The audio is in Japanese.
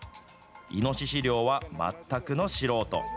イノシシ猟は全くの素人。